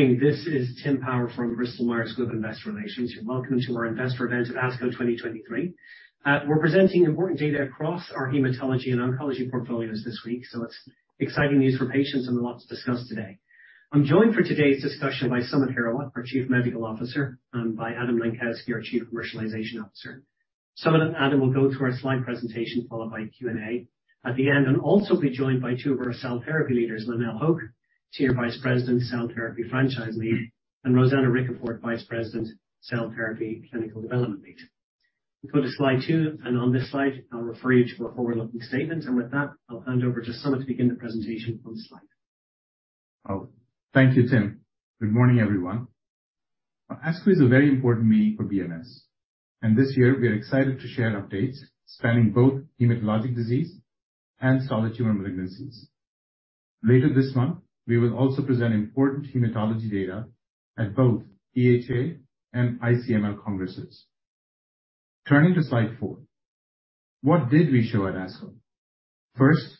Good morning. This is Tim Power from Bristol Myers Squibb, Investor Relations. Welcome to our Investor Event at ASCO 2023. We're presenting important data across our hematology and oncology portfolios this week. It's exciting news for patients and a lot to discuss today. I'm joined for today's discussion by Samit Hirawat, our Chief Medical Officer, by Adam Lenkowsky, our Chief Commercialization Officer. Samit and Adam will go through our slide presentation, followed by Q&A. At the end, I'll also be joined by two of our cell therapy leaders, Lynelle Hoch, Senior Vice President, Cell Therapy Franchise Lead, Rosanna Ricafort, Vice President, Cell Therapy Clinical Development Lead. We go to Slide 2. On this slide, I'll refer you to a forward-looking statement. With that, I'll hand over to Samit to begin the presentation on this slide. Thank you, Tim. Good morning, everyone. ASCO is a very important meeting for BMS, and this year we are excited to share updates spanning both hematologic disease and solid tumor malignancies. Later this month, we will also present important hematology data at both EHA and ICML congresses. Turning to Slide 4. What did we show at ASCO? First,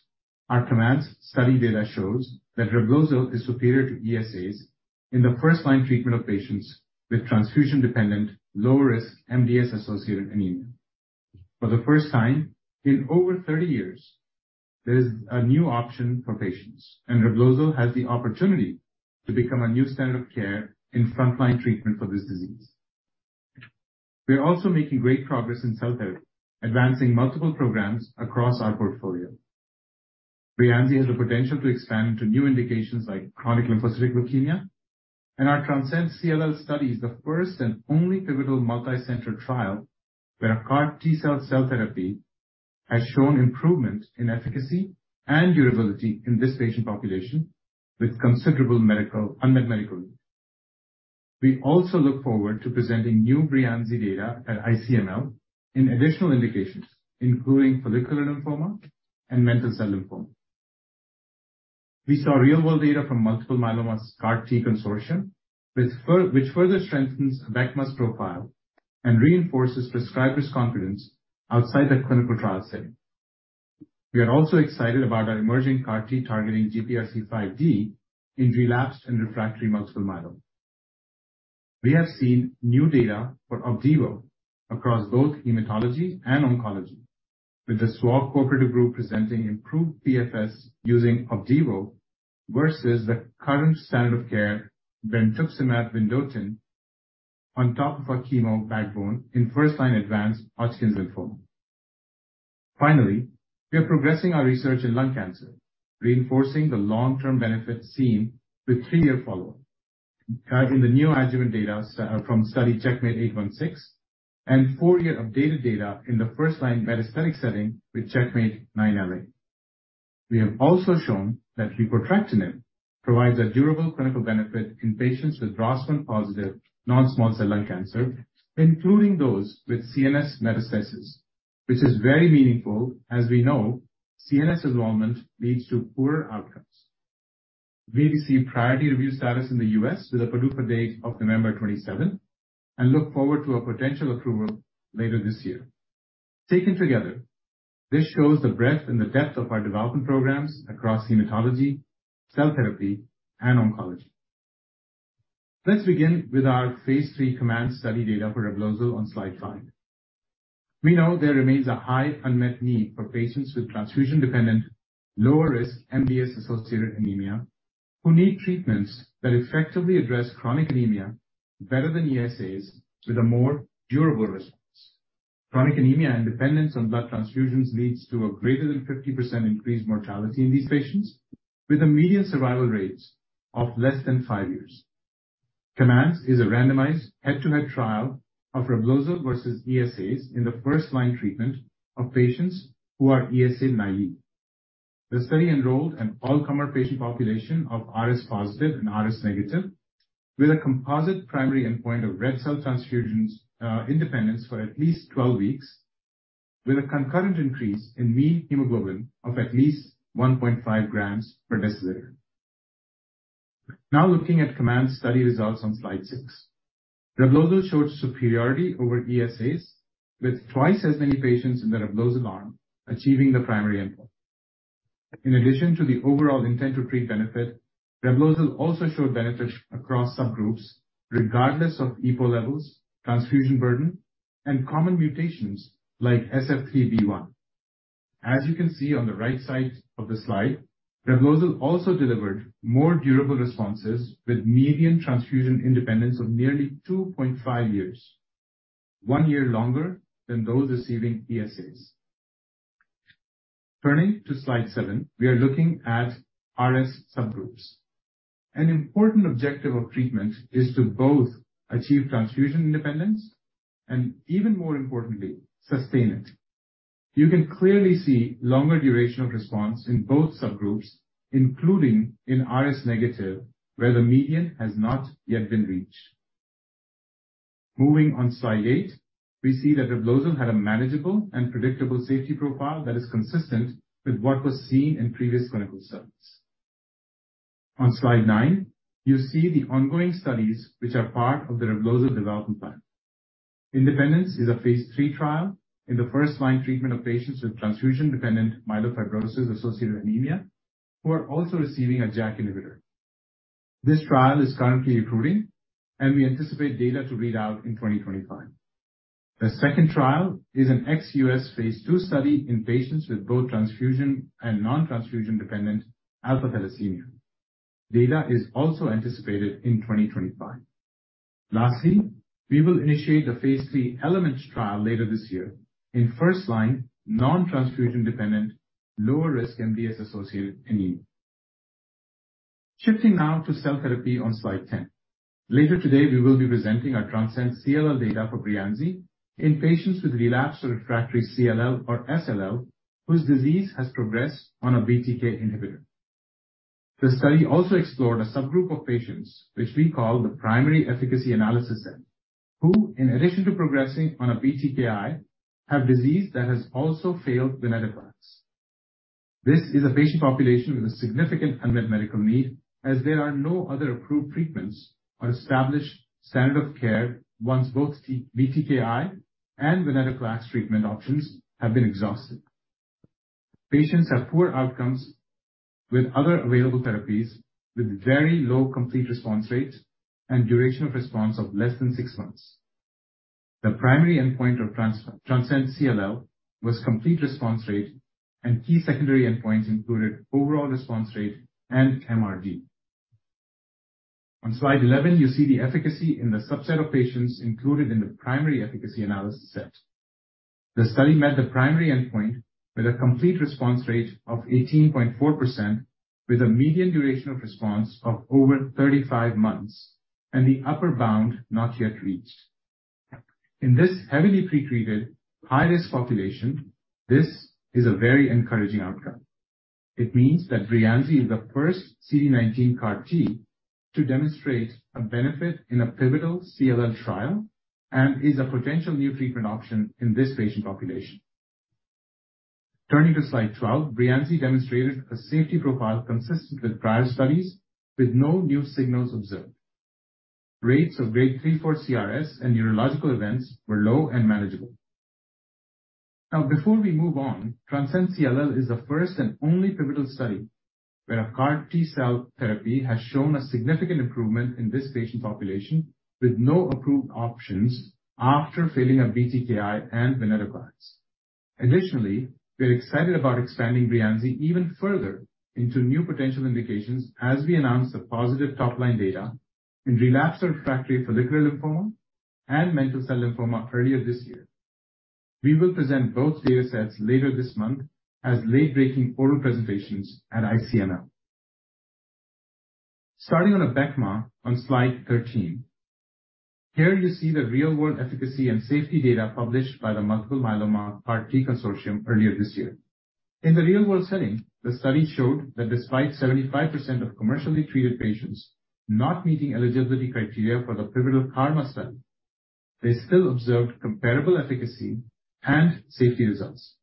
our COMMANDS study data shows that Reblozyl is superior to ESAs in the first-line treatment of patients with transfusion-dependent, low-risk MDS-associated anemia. For the first time in over 30 years, there is a new option for patients, and Reblozyl has the opportunity to become a new standard of care in frontline treatment for this disease. We are also making great progress in cell therapy, advancing multiple programs across our portfolio. Breyanzi has the potential to expand into new indications like chronic lymphocytic leukemia. Our TRANSCEND CLL study is the first and only pivotal multi-center trial where a CAR T-cell therapy has shown improvement in efficacy and durability in this patient population with considerable unmet medical needs. We also look forward to presenting new Breyanzi data at ICML in additional indications, including follicular lymphoma and mantle cell lymphoma. We saw real-world data from Myeloma CAR T Consortium, which further strengthens Abecma's profile and reinforces prescribers' confidence outside the clinical trial setting. We are also excited about our emerging CAR T targeting GPRC5D in relapsed and refractory multiple myeloma. We have seen new data for Opdivo across both hematology and oncology, with the SWOG Cooperative Group presenting improved PFS using Opdivo versus the current standard of care, brentuximab vedotin, on top of a chemo backbone in first-line advanced Hodgkin's lymphoma. Finally, we are progressing our research in lung cancer, reinforcing the long-term benefits seen with three-year follow-up. In the neoadjuvant data from study CheckMate -816 and four-year updated data in the first-line metastatic setting with CheckMate -9LA. We have also shown that repotrectinib provides a durable clinical benefit in patients with ROS1-positive non-small cell lung cancer, including those with CNS metastases, which is very meaningful. As we know, CNS involvement leads to poorer outcomes. We received priority review status in the U.S. with a PDUFA date of November 27th and look forward to a potential approval later this year. Taken together, this shows the breadth and the depth of our development programs across hematology, cell therapy, and oncology. Let's begin with our phase III COMMANDS study data for Reblozyl on Slide 5. We know there remains a high unmet need for patients with transfusion-dependent, lower-risk MDS-associated anemia, who need treatments that effectively address chronic anemia better than ESAs with a more durable response. Chronic anemia and dependence on blood transfusions leads to a greater than 50% increased mortality in these patients, with a median survival rate of less than five years. COMMANDS is a randomized head-to-head trial of Reblozyl versus ESAs in the first-line treatment of patients who are ESA-naive. The study enrolled an all-comer patient population of RS-positive and RS-negative, with a composite primary endpoint of red cell transfusions, independence for at least 12 weeks, with a concurrent increase in mean hemoglobin of at least 1.5 g/dL. Looking at COMMANDS study results on Slide 6. Reblozyl showed superiority over ESAs, with twice as many patients in the Reblozyl arm achieving the primary endpoint. In addition to the overall intent to treat benefit, Reblozyl also showed benefits across subgroups regardless of EPO levels, transfusion burden, and common mutations like SF3B1. As you can see on the right side of the slide, Reblozyl also delivered more durable responses, with median transfusion independence of nearly 2.5 years, one year longer than those receiving ESAs. Turning to Slide 7, we are looking at RS subgroups. An important objective of treatment is to both achieve transfusion independence and, even more importantly, sustain it. You can clearly see longer durational response in both subgroups, including in RS-negative, where the median has not yet been reached. Moving on Slide 8, we see that Reblozyl had a manageable and predictable safety profile that is consistent with what was seen in previous clinical studies. On Slide 9, you see the ongoing studies which are part of the Reblozyl development plan. INDEPENDENCE is a phase III trial in the first-line treatment of patients with transfusion-dependent myelofibrosis-associated anemia, who are also receiving a JAK inhibitor. This trial is currently accruing, and we anticipate data to read out in 2025. The second trial is an ex-U.S. phase II study in patients with both transfusion and non-transfusion dependent alpha thalassemia. Data is also anticipated in 2025. Lastly, we will initiate the phase III ELEMENTS trial later this year in first-line, non-transfusion, dependent, lower-risk MDS-associated anemia. Shifting now to cell therapy on Slide 10. Later today, we will be presenting our TRANSCEND CLL data for Breyanzi in patients with relapsed or refractory CLL or SLL, whose disease has progressed on a BTK inhibitor. The study also explored a subgroup of patients, which we call the primary efficacy analysis set, who, in addition to progressing on a BTKI, have disease that has also failed venetoclax. This is a patient population with a significant unmet medical need, as there are no other approved treatments or established standard of care once both BTKI and venetoclax treatment options have been exhausted. Patients have poor outcomes with other available therapies, with very low complete response rates and duration of response of less than six months. The primary endpoint of TRANSCEND CLL was complete response rate, key secondary endpoints included overall response rate and MRD. On Slide 11, you see the efficacy in the subset of patients included in the primary efficacy analysis set. The study met the primary endpoint with a complete response rate of 18.4%, with a median duration of response of over 35 months and the upper bound not yet reached. In this heavily pre-treated, high-risk population, this is a very encouraging outcome. It means that Breyanzi is the first CD19 CAR T to demonstrate a benefit in a pivotal CLL trial and is a potential new treatment option in this patient population. Turning to Slide 12, Breyanzi demonstrated a safety profile consistent with prior studies, with no new signals observed. Rates of Grade 3/4 CRS and neurological events were low and manageable. Now, before we move on, TRANSCEND CLL is the first and only pivotal study where a CAR T-cell therapy has shown a significant improvement in this patient population, with no approved options after failing a BTKI and venetoclax. Additionally, we are excited about expanding Breyanzi even further into new potential indications as we announce the positive top-line data in relapsed or refractory follicular lymphoma and mantle cell lymphoma earlier this year. We will present both data sets later this month as late-breaking oral presentations at ICML. Starting on Abecma on Slide 13. Here you see the real-world efficacy and safety data published by the Myeloma CAR T Consortium earlier this year. In the real-world setting, the study showed that despite 75% of commercially treated patients not meeting eligibility criteria for the pivotal KarMMa study, they still observed comparable efficacy and safety results.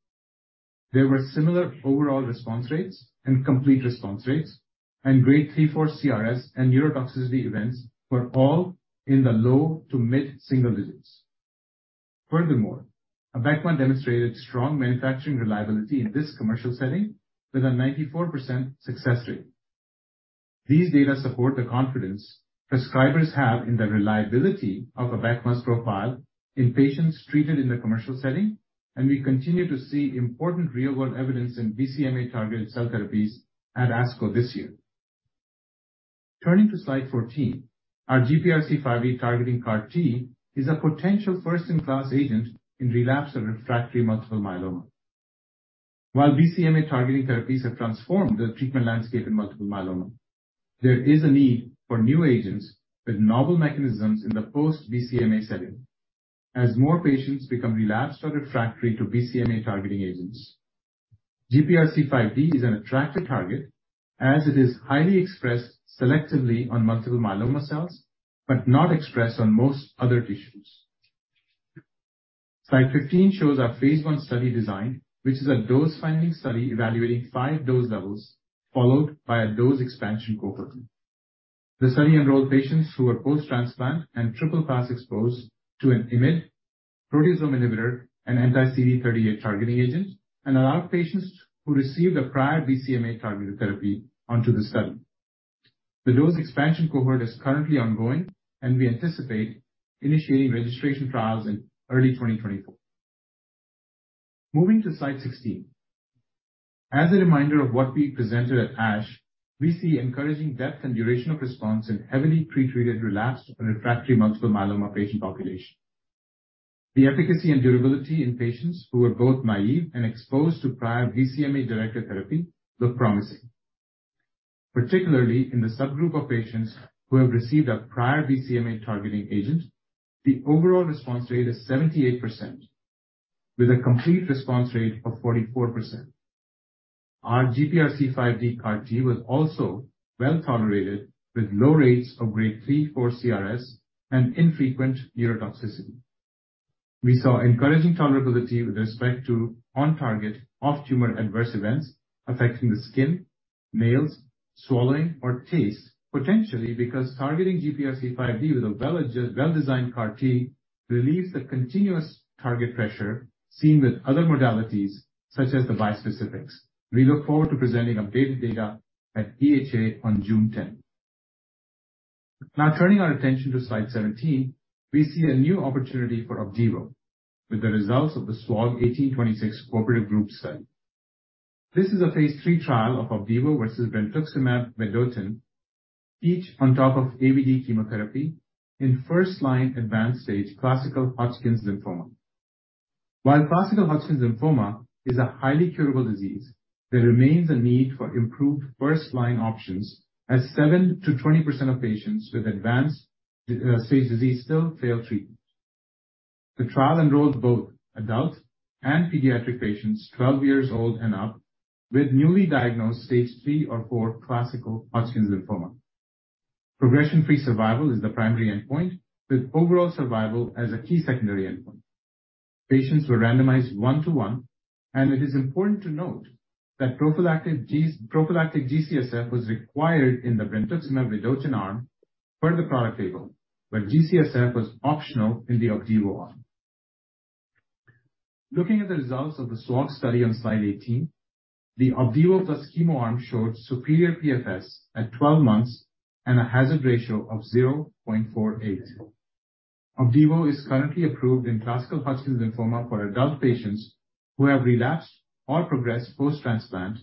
There were similar overall response rates and complete response rates, and Grade 3/4 CRS and neurotoxicity events were all in the low to mid-single digits. Furthermore, Abecma demonstrated strong manufacturing reliability in this commercial setting with a 94% success rate. These data support the confidence prescribers have in the reliability of Abecma's profile in patients treated in the commercial setting, and we continue to see important real-world evidence in BCMA-targeted cell therapies at ASCO this year. Turning to Slide 14, our GPRC5D targeting CAR T is a potential first-in-class agent in relapsed or refractory multiple myeloma. While BCMA-targeting therapies have transformed the treatment landscape in multiple myeloma, there is a need for new agents with novel mechanisms in the post-BCMA setting as more patients become relapsed or refractory to BCMA-targeting agents. GPRC5D is an attractive target as it is highly expressed selectively on multiple myeloma cells, but not expressed on most other tissues. Slide 15 shows our phase I study design, which is a dose-finding study evaluating five dose levels, followed by a dose expansion cohort. The study enrolled patients who were post-transplant and triple class-exposed to an IMiD, proteasome inhibitor, and anti-CD38 targeting agent, and allowed patients who received a prior BCMA-targeted therapy onto the study. The dose expansion cohort is currently ongoing, and we anticipate initiating registration trials in early 2024. Moving to Slide 16. As a reminder of what we presented at ASH, we see encouraging depth and duration of response in heavily pre-treated, relapsed, and refractory multiple myeloma patient population. The efficacy and durability in patients who were both naive and exposed to prior BCMA-directed therapy look promising. Particularly in the subgroup of patients who have received a prior BCMA-targeting agent, the overall response rate is 78%, with a complete response rate of 44%. Our GPRC5D CAR T was also well-tolerated, with low rates of Grade 3/4 CRS and infrequent neurotoxicity. We saw encouraging tolerability with respect to on-target, off-tumor adverse events affecting the skin, swallowing, or taste, potentially because targeting GPRC5D with a well-designed CAR T relieves the continuous target pressure seen with other modalities, such as the bispecifics. We look forward to presenting updated data at EHA on June 10th. Now, turning our attention to Slide 17, we see a new opportunity for Opdivo with the results of the SWOG S1826 cooperative group study. This is a phase III trial of Opdivo versus brentuximab vedotin, each on top of AVD chemotherapy in first-line advanced stage classical Hodgkin's lymphoma. While classical Hodgkin's lymphoma is a highly curable disease, there remains a need for improved first-line options, as 7%-20% of patients with advanced stage disease still fail treatment. The trial enrolled both adult and pediatric patients, 12 years old and up, with newly diagnosed stage 3 or 4 classical Hodgkin's lymphoma. Progression-free survival is the primary endpoint, with overall survival as a key secondary endpoint. Patients were randomized one to one. It is important to note that prophylactic G-CSF was required in the brentuximab vedotin arm per the product label, but G-CSF was optional in the Opdivo arm. Looking at the results of the SWOG study on Slide 18, the Opdivo plus chemo arm showed superior PFS at 12 months and a hazard ratio of 0.48. Opdivo is currently approved in classical Hodgkin's lymphoma for adult patients who have relapsed or progressed post-transplant.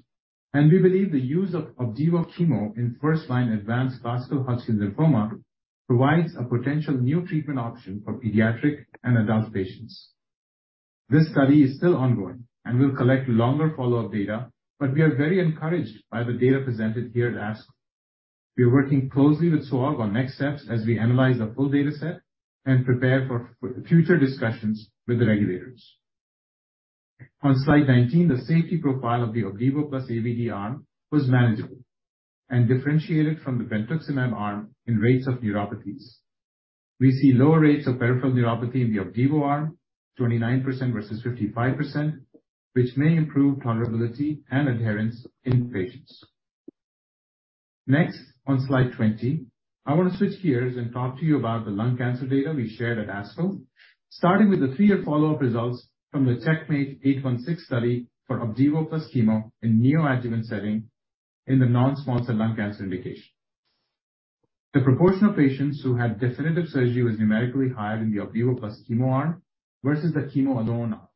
We believe the use of Opdivo chemo in first-line advanced classical Hodgkin's lymphoma provides a potential new treatment option for pediatric and adult patients. This study is still ongoing and will collect longer follow-up data. We are very encouraged by the data presented here at ASCO. We are working closely with SWOG on next steps as we analyze the full data set and prepare for future discussions with the regulators. On Slide 19, the safety profile of the Opdivo plus AVD arm was manageable and differentiated from the brentuximab arm in rates of neuropathies. We see lower rates of peripheral neuropathy in the Opdivo arm, 29% versus 55%, which may improve tolerability and adherence in patients. Next, on Slide 20, I want to switch gears and talk to you about the lung cancer data we shared at ASCO, starting with the three-year follow-up results from the CheckMate -816 study for Opdivo plus chemo in neoadjuvant setting in the non-small cell lung cancer indication. The proportion of patients who had definitive surgery was numerically higher in the Opdivo plus chemo arm versus the chemo alone arm.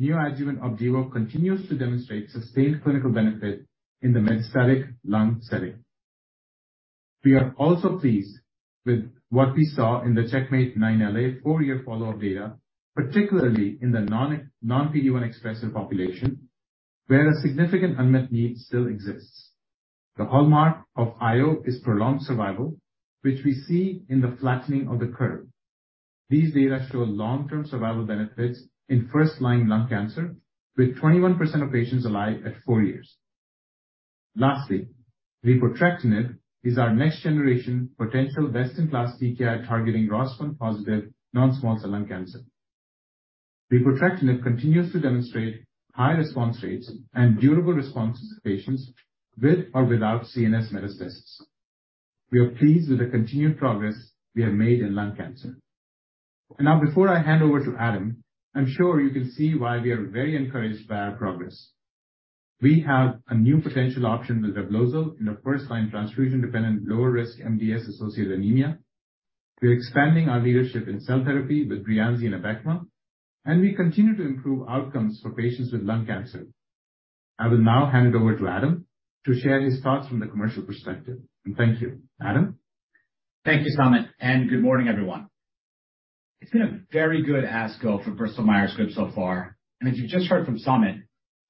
Neoadjuvant Opdivo continues to demonstrate sustained clinical benefit in the metastatic lung setting. We are also pleased with what we saw in the CheckMate -9LA four-year follow-up data, particularly in the non-PD-L1 expressive population, where a significant unmet need still exists. The hallmark of IO is prolonged survival, which we see in the flattening of the curve. These data show long-term survival benefits in first-line lung cancer, with 21% of patients alive at four years. Lastly, repotrectinib is our next generation potential best-in-class TKI targeting ROS1-positive non-small cell lung cancer. Repotrectinib continues to demonstrate high response rates and durable responses to patients with or without CNS metastasis. We are pleased with the continued progress we have made in lung cancer. Before I hand over to Adam, I'm sure you can see why we are very encouraged by our progress. We have a new potential option with Reblozyl in the first-line transfusion-dependent, lower-risk MDS-associated anemia. We're expanding our leadership in cell therapy with Breyanzi and Abecma, and we continue to improve outcomes for patients with lung cancer. I will now hand it over to Adam to share his thoughts from the commercial perspective. Thank you. Adam? Thank you, Samit. Good morning, everyone. It's been a very good ASCO for Bristol Myers Squibb so far, as you just heard from Samit,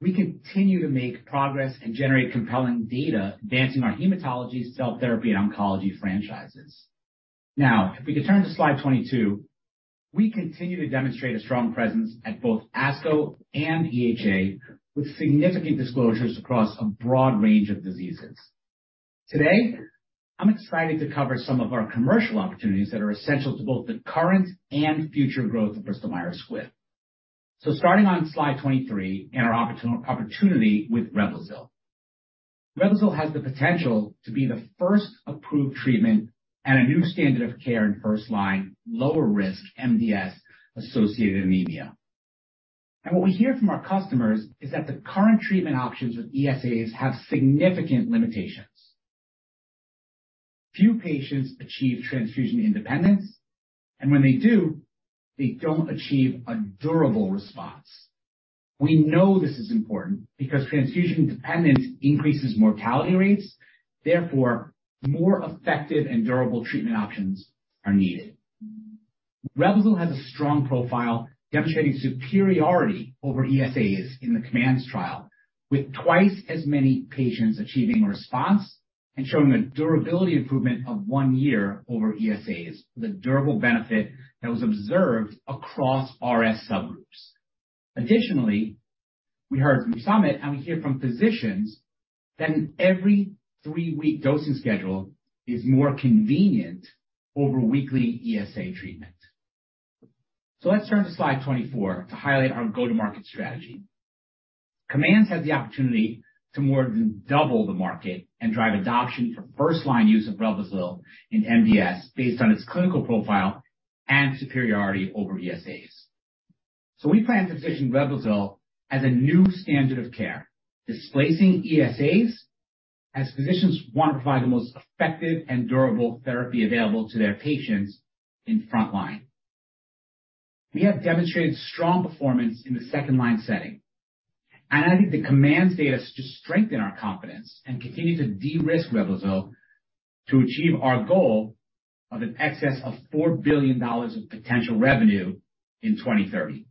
we continue to make progress and generate compelling data advancing our hematology, cell therapy, and oncology franchises. If we could turn to Slide 22. We continue to demonstrate a strong presence at both ASCO and EHA, with significant disclosures across a broad range of diseases. Today, I'm excited to cover some of our commercial opportunities that are essential to both the current and future growth of Bristol Myers Squibb. Starting on Slide 23 and our opportunity with Reblozyl. Reblozyl has the potential to be the first approved treatment and a new standard of care in first line, lower risk MDS-associated anemia. What we hear from our customers is that the current treatment options with ESAs have significant limitations. Few patients achieve transfusion independence, and when they do, they don't achieve a durable response. We know this is important because transfusion dependence increases mortality rates. Therefore, more effective and durable treatment options are needed. Reblozyl has a strong profile demonstrating superiority over ESAs in the COMMANDS trial, with twice as many patients achieving a response and showing a durability improvement of one year over ESAs, the durable benefit that was observed across RS subgroups. Additionally, we heard from Samit, and we hear from physicians that an every three-week dosing schedule is more convenient over weekly ESA treatment. Let's turn to Slide 24 to highlight our go-to-market strategy. COMMANDS had the opportunity to more than double the market and drive adoption for first line use of Reblozyl in MDS, based on its clinical profile and superiority over ESAs. We plan to position Reblozyl as a new standard of care, displacing ESAs, as physicians want to provide the most effective and durable therapy available to their patients in front line. We have demonstrated strong performance in the second line setting, and I think the COMMANDS data just strengthen our confidence and continue to de-risk Reblozyl to achieve our goal of an excess of $4 billion of potential revenue in 2030.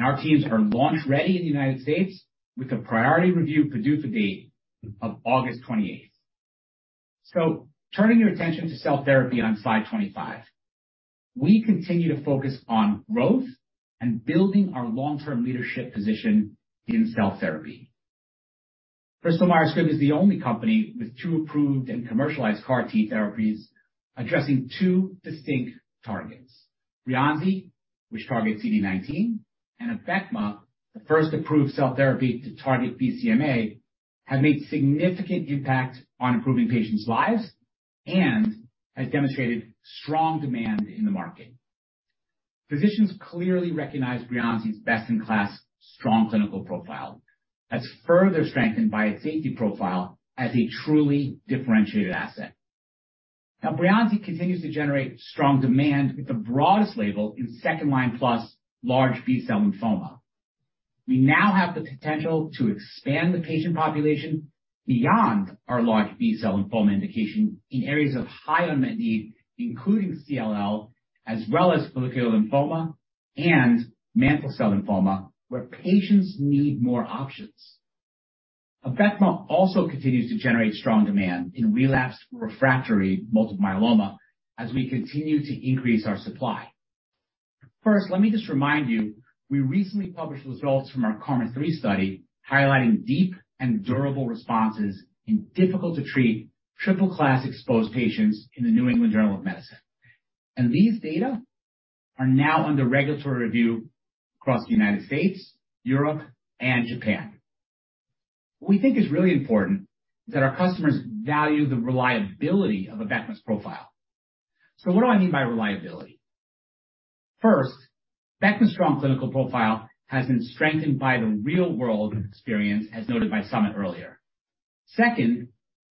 Our teams are launch-ready in the United States with a priority review PDUFA date of August 28th. Turning your attention to cell therapy on Slide 25. We continue to focus on growth and building our long-term leadership position in cell therapy. Bristol Myers Squibb is the only company with two approved and commercialized CAR T therapies addressing two distinct targets. Breyanzi, which targets CD19, and Abecma, the first approved cell therapy to target BCMA, have made significant impact on improving patients' lives and has demonstrated strong demand in the market. Physicians clearly recognize Breyanzi's best-in-class strong clinical profile as further strengthened by its safety profile as a truly differentiated asset. Now, Breyanzi continues to generate strong demand with the broadest label in second-line plus large B-cell lymphoma. We now have the potential to expand the patient population beyond our large B-cell lymphoma indication in areas of high unmet need, including CLL, as well as follicular lymphoma and mantle cell lymphoma, where patients need more options. Abecma also continues to generate strong demand in relapsed refractory multiple myeloma as we continue to increase our supply. First, let me just remind you, we recently published results from our KarMMa-3 study, highlighting deep and durable responses in difficult-to-treat triple-class exposed patients in the New England Journal of Medicine. These data are now under regulatory review across the United States, Europe, and Japan. What we think is really important is that our customers value the reliability of Abecma's profile. What do I mean by reliability? First, Abecma's strong clinical profile has been strengthened by the real-world experience, as noted by Samit earlier. Second,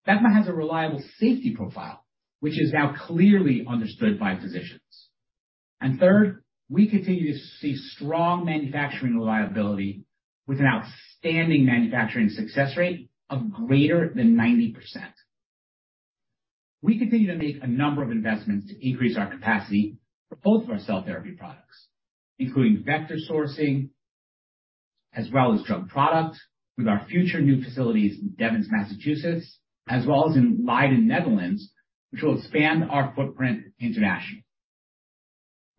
Abecma has a reliable safety profile, which is now clearly understood by physicians. Third, we continue to see strong manufacturing reliability with an outstanding manufacturing success rate of greater than 90%. We continue to make a number of investments to increase our capacity for both of our cell therapy products, including vector sourcing as well as drug product, with our future new facilities in Devens, Massachusetts, as well as in Leiden, Netherlands, which will expand our footprint internationally.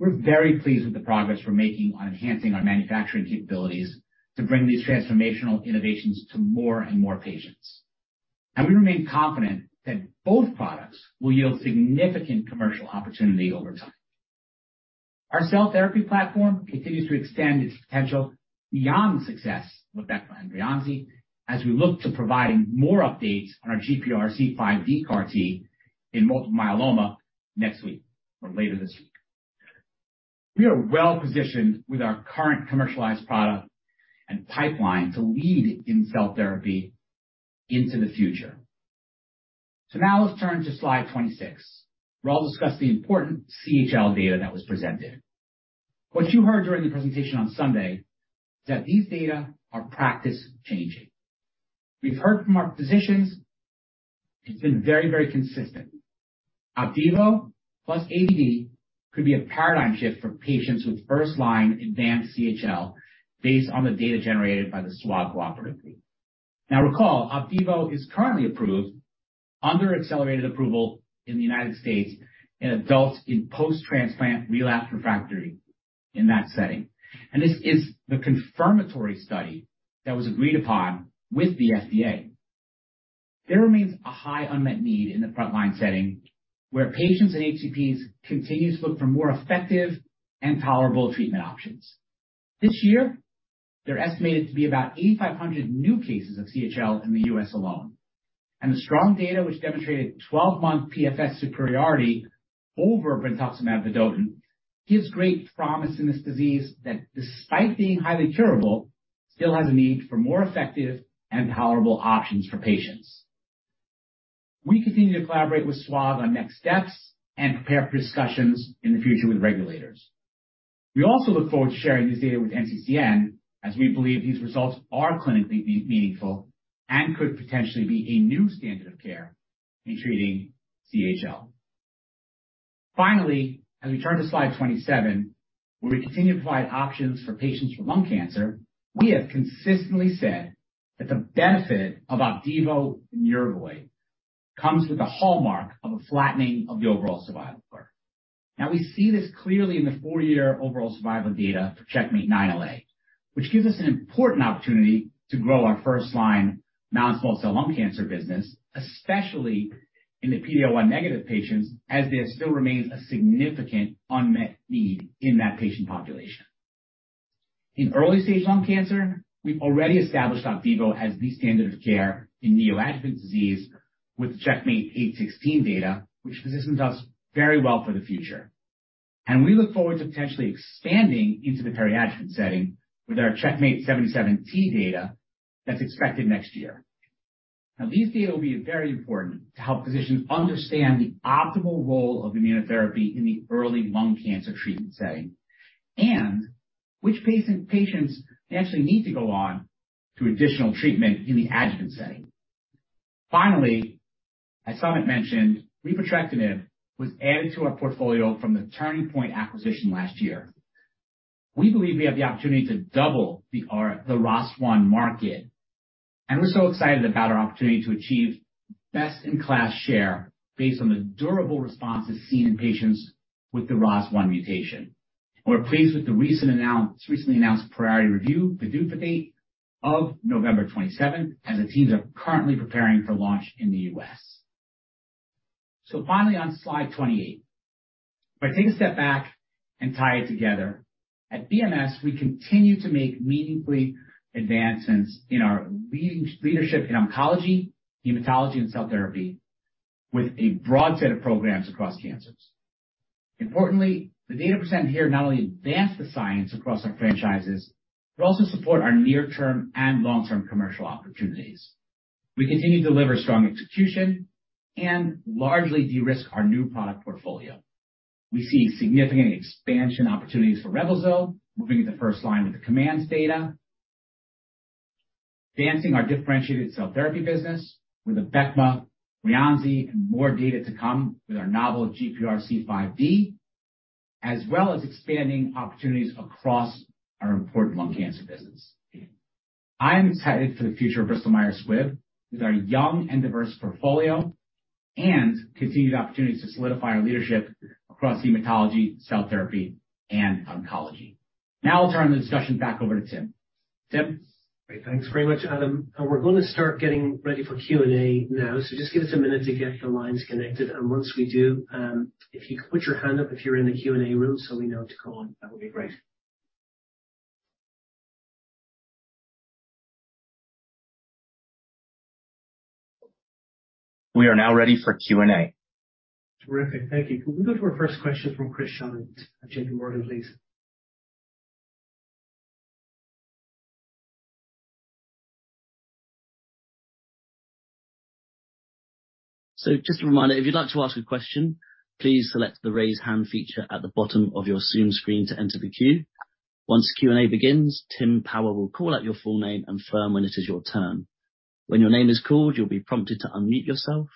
We're very pleased with the progress we're making on enhancing our manufacturing capabilities to bring these transformational innovations to more and more patients. We remain confident that both products will yield significant commercial opportunity over time. Our cell therapy platform continues to extend its potential beyond the success of Abecma and Breyanzi, as we look to providing more updates on our GPRC5D CAR T in multiple myeloma next week or later this week. We are well positioned with our current commercialized product and pipeline to lead in cell therapy into the future. Now let's turn to Slide 26, where I'll discuss the important CHL data that was presented. What you heard during the presentation on Sunday, that these data are practice-changing. We've heard from our physicians, it's been very, very consistent. Opdivo plus AVD could be a paradigm shift for patients with first-line advanced CHL based on the data generated by the SWOG Cooperative Group. Recall, Opdivo is currently approved under accelerated approval in the United States in adults, in post-transplant relapse refractory in that setting. This is the confirmatory study that was agreed upon with the FDA. There remains a high unmet need in the frontline setting, where patients and HCPs continue to look for more effective and tolerable treatment options. This year, there are estimated to be about 8,500 new cases of CHL in the U.S. alone, and the strong data, which demonstrated 12-month PFS superiority over brentuximab vedotin, gives great promise in this disease that, despite being highly curable, still has a need for more effective and tolerable options for patients. We continue to collaborate with SWOG on next steps and prepare for discussions in the future with regulators. We also look forward to sharing this data with NCCN, as we believe these results are clinically meaningful and could potentially be a new standard of care in treating CHL. Finally, as we turn to Slide 27, where we continue to provide options for patients for lung cancer, we have consistently said that the benefit of Opdivo and Yervoy comes with the hallmark of a flattening of the overall survival curve. We see this clearly in the four-year overall survival data for CheckMate -9LA. This gives us an important opportunity to grow our first-line non-small cell lung cancer business, especially in the PD-L1 negative patients, as there still remains a significant unmet need in that patient population. In early-stage lung cancer, we've already established Opdivo as the standard of care in neoadjuvant disease with CheckMate -816 data, which positions us very well for the future. We look forward to potentially expanding into the peri-adjuvant setting with our CheckMate -77T data that's expected next year. These data will be very important to help physicians understand the optimal role of immunotherapy in the early lung cancer treatment setting and which patients actually need to go on to additional treatment in the adjuvant setting. Finally, as Samit mentioned, repotrectinib was added to our portfolio from the Turning Point acquisition last year. We believe we have the opportunity to double the ROS1 market, and we're so excited about our opportunity to achieve best-in-class share based on the durable responses seen in patients with the ROS1 mutation. We're pleased with the recently announced priority review, the due date of November 27th, as the teams are currently preparing for launch in the U.S. Finally, on Slide 28, if I take a step back and tie it together. At BMS, we continue to make meaningful advancements in our leadership in oncology, hematology, and cell therapy with a broad set of programs across cancers. Importantly, the data presented here not only advance the science across our franchises, but also support our near-term and long-term commercial opportunities. We continue to deliver strong execution and largely de-risk our new product portfolio. We see significant expansion opportunities for Reblozyl, moving to first line with the COMMANDS data, advancing our differentiated cell therapy business with Abecma, Breyanzi, and more data to come with our novel GPRC5D, as well as expanding opportunities across our important lung cancer business. I am excited for the future of Bristol Myers Squibb with our young and diverse portfolio and continued opportunities to solidify our leadership across hematology, cell therapy, and oncology. Now I'll turn the discussion back over to Tim. Tim? Great. Thanks very much, Adam, and we're going to start getting ready for Q&A now. Just give us a minute to get the lines connected, and once we do, if you could put your hand up if you're in the Q&A room, so we know to go on, that would be great. We are now ready for Q&A. Terrific. Thank you. Can we go to our first question from Chris Schott at JPMorgan, please? Just a reminder, if you'd like to ask a question, please select the Raise Hand feature at the bottom of your Zoom screen to enter the queue. Once Q&A begins, Tim Power will call out your full name and firm when it is your turn. When your name is called, you'll be prompted to unmute yourself,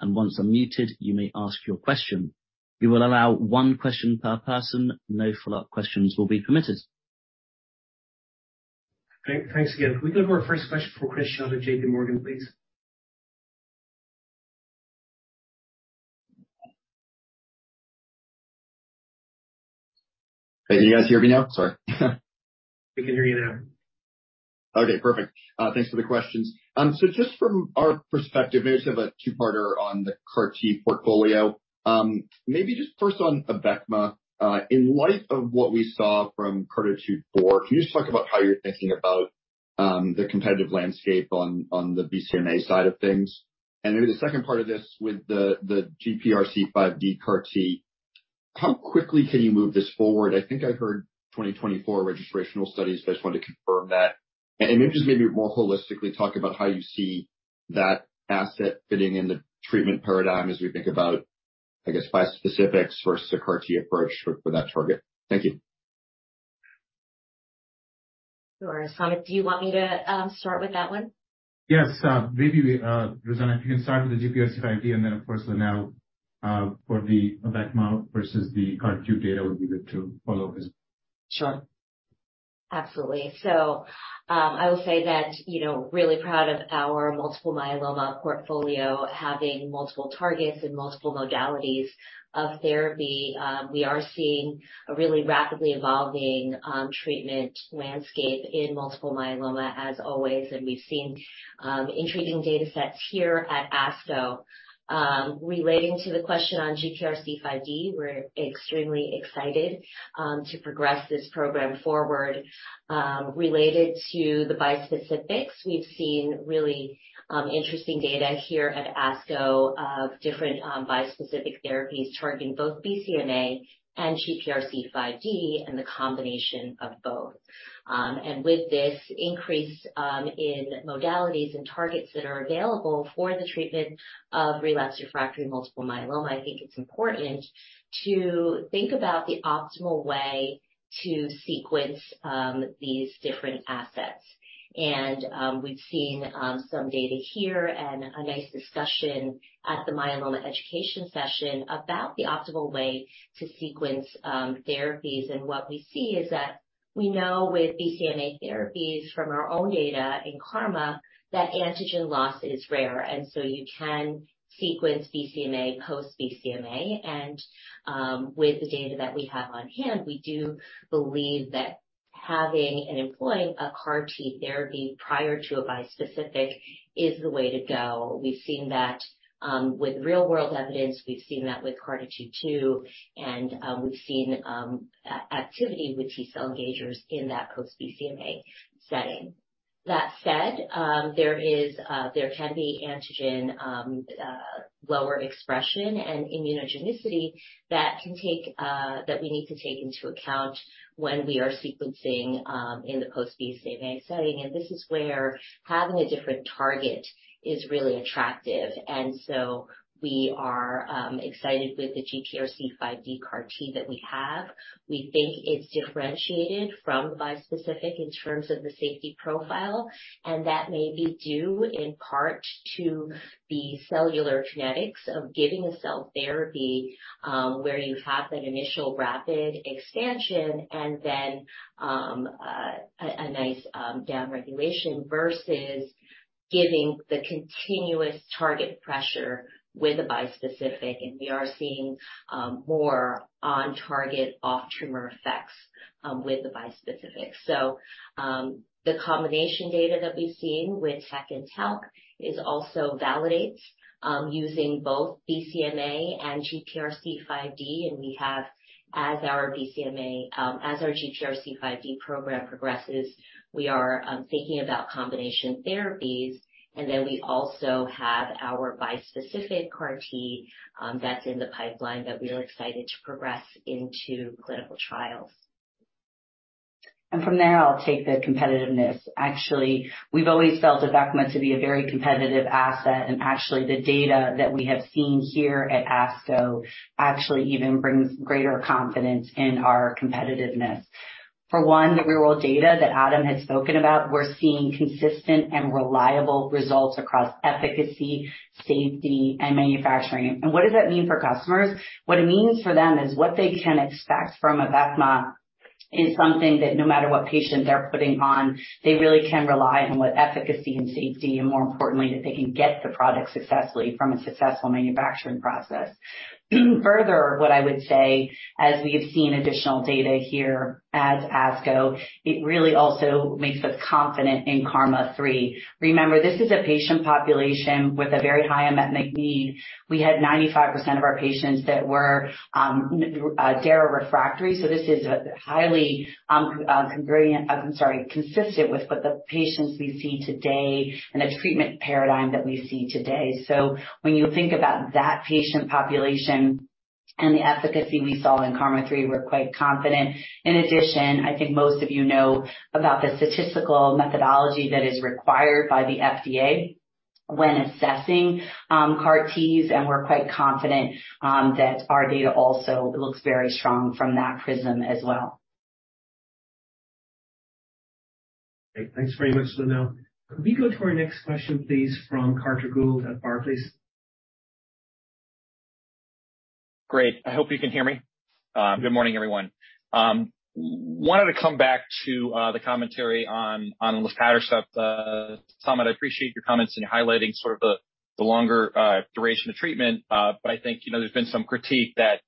and once unmuted, you may ask your question. We will allow one question per person. No follow-up questions will be permitted. Great, thanks again. Can we go to our first question from Chris Schott at JPMorgan, please? Hey, can you guys hear me now? Sorry. We can hear you now. Okay, perfect. Thanks for the questions. Just from our perspective, maybe sort of a two-parter on the CAR T portfolio. Maybe just first on Abecma, in light of what we saw from CARTITUDE-4, can you just talk about how you're thinking about the competitive landscape on the BCMA side of things? Maybe the second part of this with the GPRC5D CAR T, how quickly can you move this forward? I think I heard 2024 registrational studies, I just wanted to confirm that. Maybe just more holistically talk about how you see that asset fitting in the treatment paradigm as we think about, I guess, bispecifics versus a CAR T approach for that target. Thank you. Sure. Samit, do you want me to start with that one? Yes. Maybe Rosanna, you can start with the GPRC5D, and then, of course, Lynelle, for the Abecma versus the CARTITUDE data would be good to follow. Sure. Absolutely. I will say that, you know, really proud of our multiple myeloma portfolio, having multiple targets and multiple modalities of therapy. We are seeing a really rapidly evolving treatment landscape in multiple myeloma, as always, and we've seen intriguing data sets here at ASCO. Relating to the question on GPRC5D, we're extremely excited to progress this program forward. Related to the bispecifics, we've seen really interesting data here at ASCO of different bispecific therapies targeting both BCMA and GPRC5D, and the combination of both. And with this increase in modalities and targets that are available for the treatment of relapsed refractory multiple myeloma, I think it's important to think about the optimal way to sequence these different assets. We've seen some data here and a nice discussion at the myeloma education session about the optimal way to sequence therapies. What we see is that we know with BCMA therapies from our own data in KarMMa, that antigen loss is rare, and so you can sequence BCMA, post-BCMA. With the data that we have on hand, we do believe that having and employing a CAR T therapy prior to a bispecific is the way to go. We've seen that with real world evidence. We've seen that with CARTITUDE-2, we've seen activity with T-cell engagers in that post-BCMA setting. That said, there is, there can be antigen, lower expression and immunogenicity that can take, that we need to take into account when we are sequencing in the post-BCMA setting. This is where having a different target is really attractive. We are excited with the GPRC5D CAR T that we have. We think it's differentiated from bispecific in terms of the safety profile, and that may be due in part to the cellular genetics of giving a cell therapy, where you have that initial rapid expansion and then a nice downregulation, versus giving the continuous target pressure with a bispecific. We are seeing more on target, off tumor effects with the bispecific. The combination data that we've seen with tec and tal is also validates, using both BCMA and GPRC5D, and we have as our BCMA, as our GPRC5D program progresses, we are thinking about combination therapies, and then we also have our bispecific CAR T, that's in the pipeline that we are excited to progress into clinical trials. From there, I'll take the competitiveness. Actually, we've always felt that Abecma to be a very competitive asset, and actually the data that we have seen here at ASCO actually even brings greater confidence in our competitiveness. For one, the real world data that Adam had spoken about, we're seeing consistent and reliable results across efficacy, safety, and manufacturing. What does that mean for customers? What it means for them is what they can expect from a Abecma is something that no matter what patient they're putting on, they really can rely on with efficacy and safety, and more importantly, that they can get the product successfully from a successful manufacturing process. Further, what I would say, as we have seen additional data here at ASCO, it really also makes us confident in KarMMa-3. Remember, this is a patient population with a very high unmet need. We had 95% of our patients that were Dara refractory, this is a highly convenient, I'm sorry, consistent with what the patients we see today and the treatment paradigm that we see today. When you think about that patient population and the efficacy we saw in KarMMa-3, we're quite confident. In addition, I think most of you know about the statistical methodology that is required by the FDA when assessing CAR Ts, and we're quite confident that our data also looks very strong from that prism as well. Great. Thanks very much, Lynelle. Could we go to our next question, please, from Carter Gould at Barclays? Great. I hope you can hear me. Good morning, everyone. Wanted to come back to the commentary on luspatercept. Samit, I appreciate your comments and highlighting sort of the longer duration of treatment. I think, you know, there's been some critique that,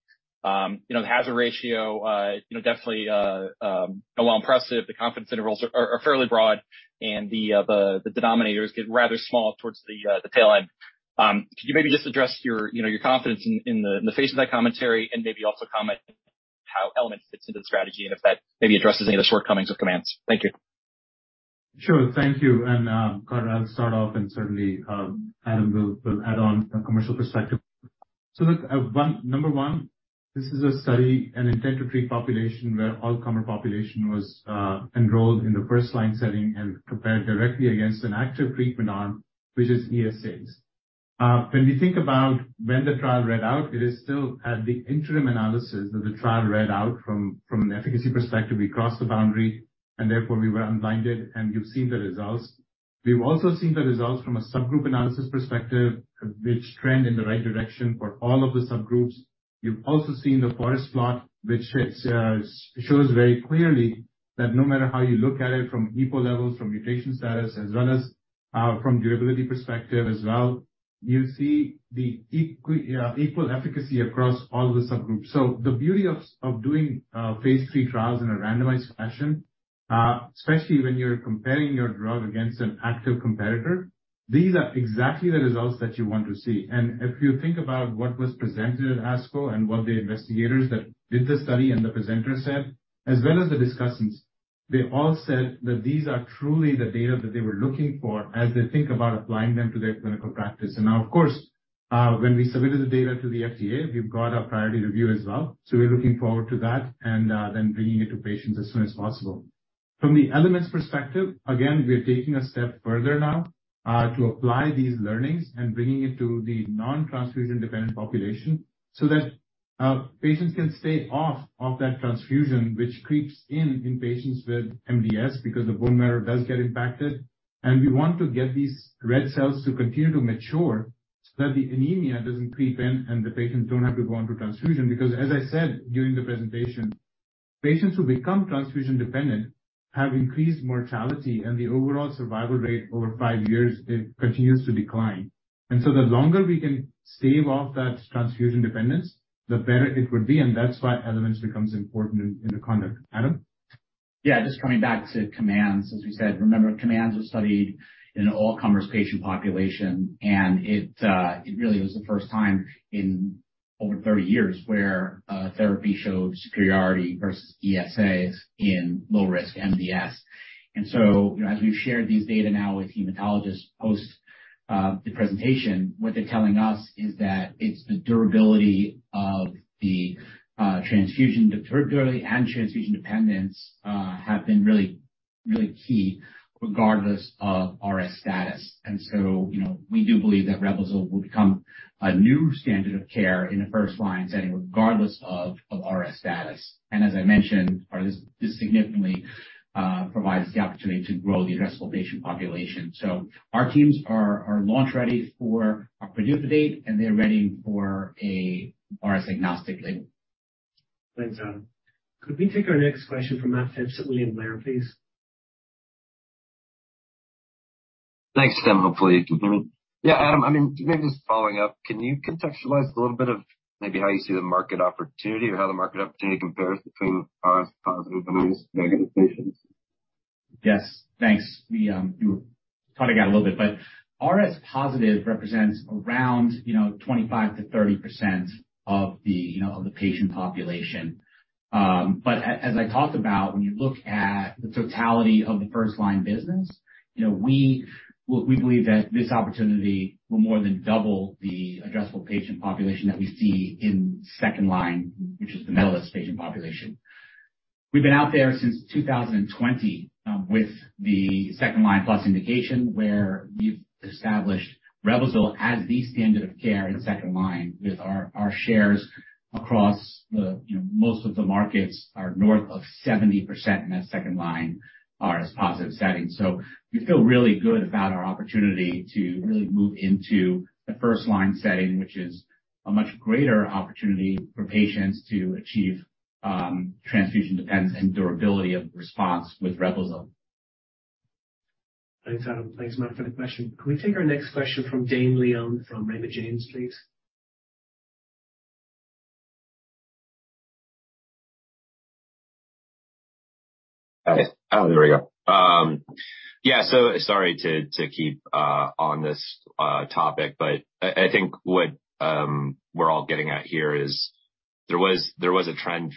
you know, the hazard ratio, you know, definitely, while impressive, the confidence intervals are fairly broad, and the denominators get rather small towards the tail end. Could you maybe just address your, you know, your confidence in the face of that commentary and maybe also comment how ELEMENTS fits into the strategy and if that maybe addresses any of the shortcomings of COMMANDS? Thank you. Sure. Thank you. Carter, I'll start off, and certainly, Adam will add on a commercial perspective. The number one, this is a study, an intent to treat population, where all comer population was enrolled in the first-line setting and compared directly against an active treatment arm, which is ESAs. When we think about when the trial read out, it is still at the interim analysis that the trial read out from an efficacy perspective, we crossed the boundary, and therefore we were unblinded, and you've seen the results. We've also seen the results from a subgroup analysis perspective, which trend in the right direction for all of the subgroups. You've also seen the forest plot, which shows very clearly that no matter how you look at it, from hypo levels, from mutation status, as well as from durability perspective as well, you see the equal efficacy across all the subgroups. The beauty of doing phase III trials in a randomized fashion, especially when you're comparing your drug against an active competitor, these are exactly the results that you want to see. If you think about what was presented at ASCO and what the investigators that did the study and the presenters said, as well as the discussants, they all said that these are truly the data that they were looking for as they think about applying them to their clinical practice. Of course, when we submitted the data to the FDA, we've got our priority review as well. We're looking forward to that and bringing it to patients as soon as possible. From the ELEMENTS perspective, again, we are taking a step further now to apply these learnings and bringing it to the non-transfusion dependent population, so that patients can stay off of that transfusion, which creeps in in patients with MDS because the bone marrow does get impacted. We want to get these red cells to continue to mature so that the anemia doesn't creep in, and the patients don't have to go on to transfusion. As I said during the presentation, patients who become transfusion dependent have increased mortality, and the overall survival rate over five years, it continues to decline. The longer we can stave off that transfusion dependence, the better it would be, and that's why ELEMENTS becomes important in the conduct. Adam? Yeah, just coming back to COMMANDS, as we said, remember, COMMANDS was studied in an all-comers patient population, and it really was the first time in over 30 years where therapy showed superiority versus ESAs in lower-risk MDS. You know, as we've shared these data now with hematologists post the presentation, what they're telling us is that it's the durability of the transfusion durability and transfusion dependence have been really key regardless of RS status. You know, we do believe that Reblozyl will become a new standard of care in the first-line setting, regardless of RS status. As I mentioned, this significantly provides the opportunity to grow the addressable patient population. Our teams are launch-ready for our production date, and they're ready for a RS-agnostic label. Thanks, Adam. Could we take our next question from Matt Phipps at William Blair, please? Thanks, Tim. Hopefully you can hear me. Yeah, Adam, I mean, maybe just following up, can you contextualize a little bit of maybe how you see the market opportunity or how the market opportunity compares between RS-positive and RS-negative patients? Yes, thanks. We were cutting out a little bit, RS-positive represents around, you know, 25%-30% of the, you know, of the patient population. as I talked about, when you look at the totality of the first-line business, you know, we believe that this opportunity will more than double the addressable patient population that we see in second line, which is the MDS patient population. We've been out there since 2020, with the second-line plus indication, where we've established Reblozyl as the standard of care in second line with our shares across the, you know, most of the markets are north of 70% in that second line RS-positive settings. We feel really good about our opportunity to really move into the first line setting, which is a much greater opportunity for patients to achieve transfusion dependence and durability of response with Reblozyl. Thanks, Adam. Thanks, Matt, for the question. Can we take our next question from Dane Leone, from Raymond James, please? Hi. Oh, there we go. Yeah, so sorry to keep on this topic, but I think what we're all getting at here is there was a trend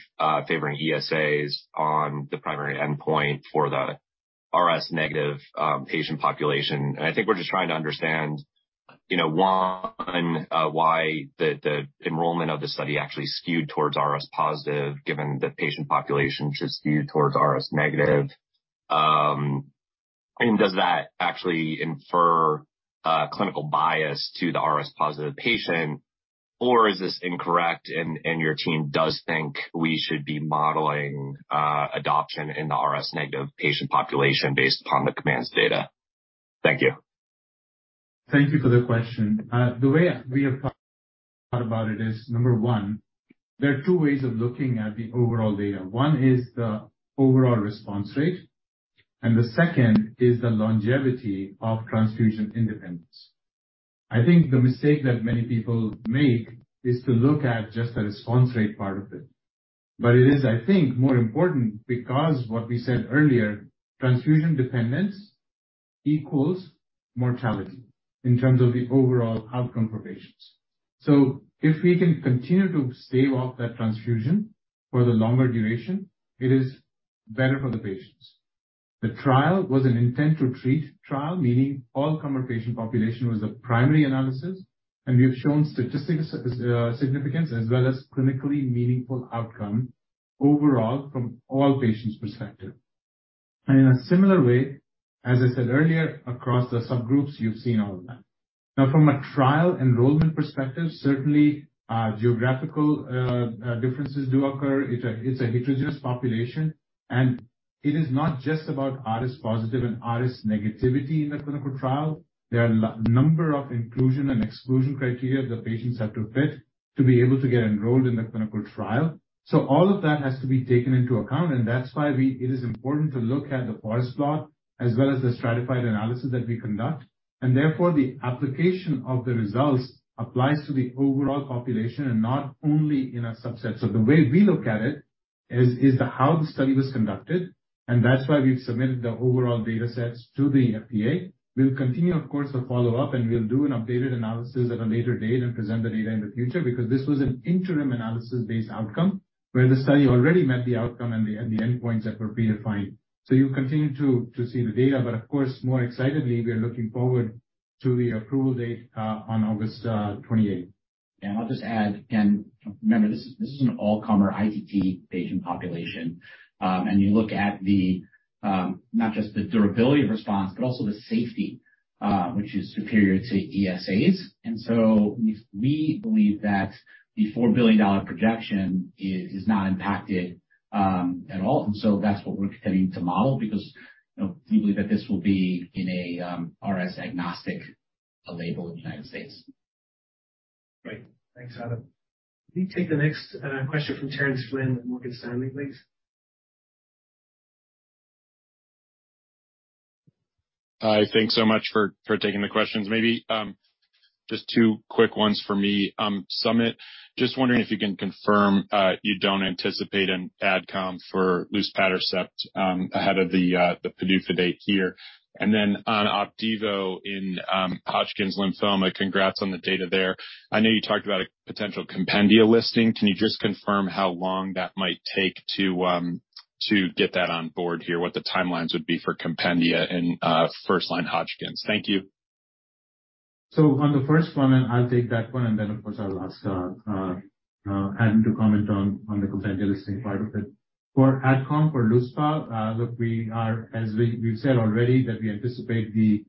favoring ESAs on the primary endpoint for the RS-negative patient population. I think we're just trying to understand, you know, one, why the enrollment of the study actually skewed towards RS-positive, given the patient population should skew towards RS-negative. Does that actually infer clinical bias to the RS-positive patient, or is this incorrect, and your team does think we should be modeling adoption in the RS-negative patient population based upon the COMMANDS data? Thank you. Thank you for the question. The way we have thought about it is, number one, there are two ways of looking at the overall data. One is the overall response rate, and the second is the longevity of transfusion independence. I think the mistake that many people make is to look at just the response rate part of it. It is, I think, more important because what we said earlier, transfusion dependence equals mortality in terms of the overall outcome for patients. If we can continue to stave off that transfusion for the longer duration, it is better for the patients. The trial was an intent to treat trial, meaning all comer patient population was the primary analysis, and we have shown statistic significance as well as clinically meaningful outcome overall from all patients' perspective. In a similar way, as I said earlier, across the subgroups, you've seen all of that. From a trial enrollment perspective, certainly, geographical differences do occur. It's a heterogeneous population, and it is not just about RS positive and RS negativity in the clinical trial. There are number of inclusion and exclusion criteria that patients have to fit to be able to get enrolled in the clinical trial. All of that has to be taken into account, and that's why it is important to look at the forest plot as well as the stratified analysis that we conduct. Therefore, the application of the results applies to the overall population and not only in a subset. The way we look at it is, how the study was conducted. That's why we've submitted the overall datasets to the FDA. We'll continue, of course, to follow up. We'll do an updated analysis at a later date and present the data in the future. This was an interim analysis-based outcome, where the study already met the outcome and the endpoints that were predefined. You'll continue to see the data. Of course, more excitedly, we are looking forward to the approval date on August 28th. I'll just add, again, remember, this is an all-comer ITT patient population. You look at the, not just the durability of response, but also the safety, which is superior to ESAs. We believe that the $4 billion projection is not impacted at all. That's what we're continuing to model because, you know, we believe that this will be in a RS-agnostic label in the United States. Great. Thanks, Adam. Can we take the next question from Terence Flynn with Morgan Stanley, please? Hi, thanks so much for taking the questions. Maybe, just two quick ones for me. Samit, just wondering if you can confirm you don't anticipate an AdCom for luspatercept ahead of the PDUFA date here. On Opdivo in Hodgkin's lymphoma, congrats on the data there. I know you talked about a potential compendia listing. Can you just confirm how long that might take to get that on board here, what the timelines would be for compendia and first-line Hodgkin's? Thank you. On the first one, I'll take that one, then, of course, I'll ask Adam to comment on the compendia listing part of it. For AdCom, for luspa, look, as we've said already, that we anticipate the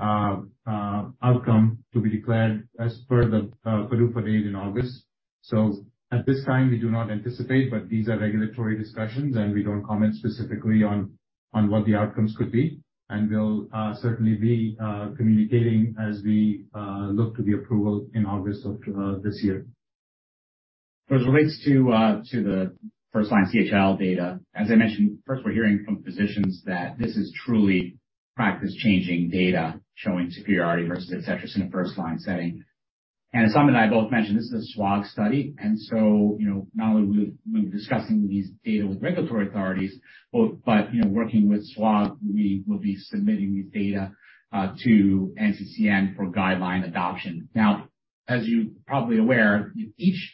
outcome to be declared as per the PDUFA date in August. At this time, we do not anticipate, but these are regulatory discussions, and we don't comment specifically on what the outcomes could be. We'll certainly be communicating as we look to the approval in August of this year. As it relates to the first line CHL data, as I mentioned, first, we're hearing from physicians that this is truly practice-changing data showing superiority versus Adcetris in a first-line setting. Samit and I both mentioned this is a SWOG study, and so, you know, not only we've been discussing these data with regulatory authorities, but, you know, working with SWOG, we will be submitting these data to NCCN for guideline adoption. As you're probably aware, each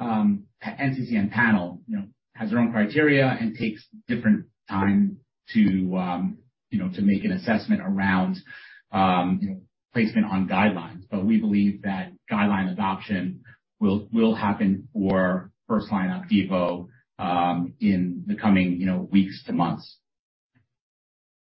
NCCN panel, you know, has their own criteria and takes different time to, you know, to make an assessment around, you know, placement on guidelines. We believe that guideline adoption will happen for first-line Opdivo in the coming, you know, weeks to months.